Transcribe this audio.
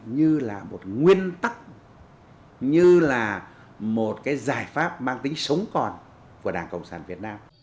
như là một nguyên tắc như là một cái giải pháp mang tính sống còn của đảng cộng sản việt nam